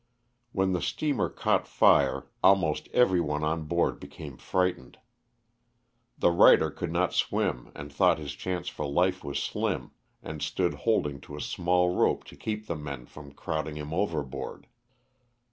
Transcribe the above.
When the steamer caught fire almost every one on board became frightened. The writer could not swim and thought his chance for life was slim, and stood holding to a small rope to keep the men from crowding him overboard.